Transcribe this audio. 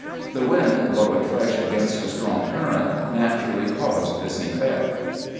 The wind blowing fresh against a strong current naturally caused this effect.